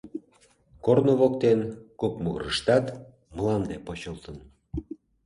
Корно воктен кок могырыштат мланде почылтын.